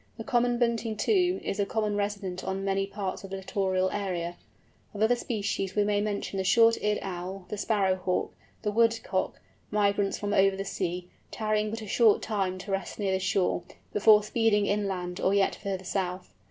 The Common Bunting, too, is a common resident on many parts of the littoral area. Of other species we may mention the Short eared Owl, the Sparrow Hawk, the Woodcock—migrants from over the sea, tarrying but a short time to rest near the shore, before speeding inland, or yet further south.